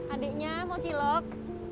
adiknya mau cilok